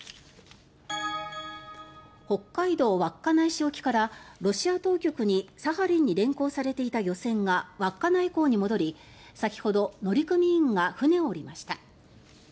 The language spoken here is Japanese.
北海道稚内市沖からロシア当局にサハリンに連行されていた漁船が稚内港に戻り先ほど乗組員が船を下りました。